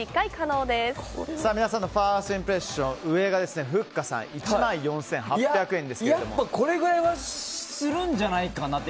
皆さんのファーストインプレッション上が、ふっかさんやっぱ、これくらいはするんじゃないかなって。